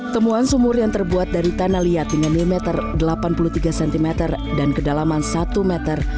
temuan sumur yang terbuat dari tanah liat dengan diameter delapan puluh tiga cm dan kedalaman satu meter